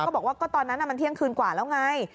บอกว่าก็ตอนนั้นมันเที่ยงคืนกว่าแล้วไง